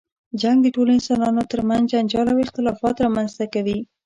جنګ د ټولو انسانانو تر منځ جنجال او اختلافات رامنځته کوي.